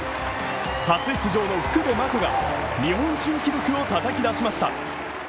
初出場の福部真子が日本新記録をたたき出しました。